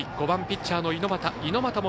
５番、ピッチャーの猪俣。